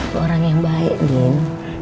lo orang yang baik nyebel